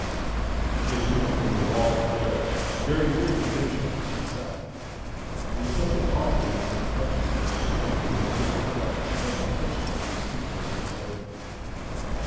She had moved from the wall of the garret, very near to the bench on which he sat. There was something awful in his unconsciousness of the figure that could have put out its hand and touched him as he stooped over his labour.